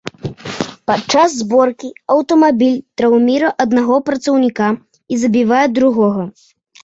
Падчас зборкі, аўтамабіль траўміруе аднаго працаўніка і забівае другога.